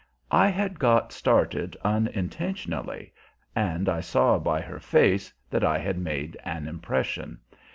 I had got started unintentionally, and I saw by her face that I had made an impression.